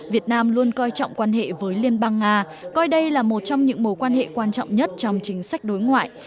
việt nam luôn coi trọng quan hệ với liên bang nga coi đây là một trong những mối quan hệ quan trọng nhất trong chính sách đối ngoại